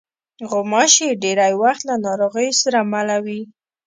غوماشې ډېری وخت له ناروغیو سره مله وي.